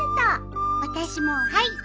私もはい！